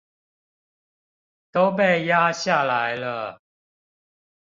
都被壓下來了